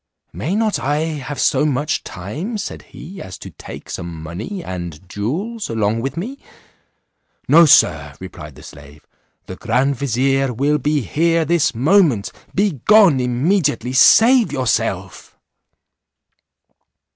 "May not I have so much time," said he, "as to take some money and jewels along with me?" ``No, Sir," replied the slave, "the grand vizier, will be here this moment; be gone immediately, save yourself."